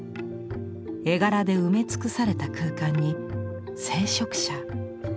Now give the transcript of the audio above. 絵柄で埋め尽くされた空間に聖職者。